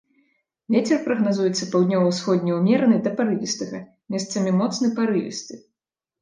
Вецер прагназуецца паўднёва-ўсходні ўмераны да парывістага, месцамі моцны парывісты.